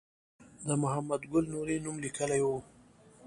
د محمد ګل نوري نوم لیکلی و.